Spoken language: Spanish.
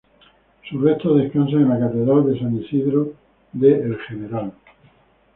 Sus restos descansan en la Catedral de San Isidro de El General.